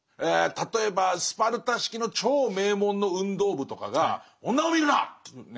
例えばスパルタ式の超名門の運動部とかが「女を見るな！」というね。